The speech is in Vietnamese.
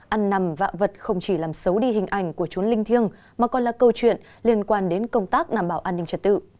ăn nằm vạ vật không chỉ làm xấu đi hình ảnh của trốn linh thiêng mà còn là câu chuyện liên quan đến công tác đảm bảo an ninh trật tự